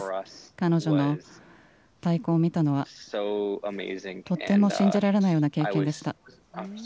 彼女の太鼓を見たのは、とっても信じられないような経験でした。